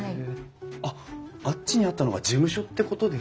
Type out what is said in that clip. あっあっちにあったのが事務所ってことですか？